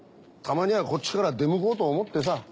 たまにはこっちから出向こうと思ってさ。